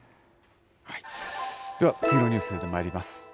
では、次のニュースにまいります。